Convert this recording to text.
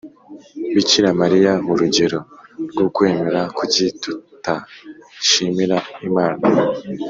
bikira mariya urugero rw’ukwemera kuki tutashimira imana ?